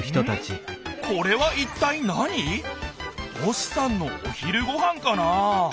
星さんのお昼ごはんかな？